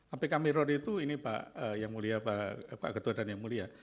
apk miron itu ini pak yang mulia pak ketua dan yang mulia